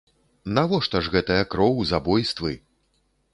Навошта ж гэтая кроў, забойствы?